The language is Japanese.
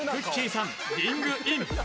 さんリングイン。